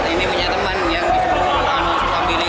ini punya teman yang disuruh ambilin